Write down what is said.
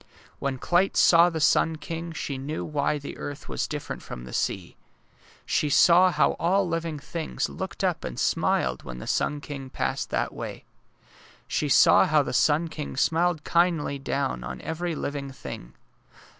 When Clyte saw the sun king she knew why the earth w^as different from the sea. She saw how all living things looked up and smiled when the sun king passed that way. She saw how the sun king smiled kindly down on every living thing.